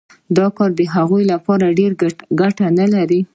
دا کار د هغوی لپاره ډېره ګټه نلري